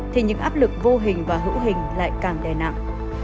thì những áp lực vô hình và hữu hình lại càng đè nặng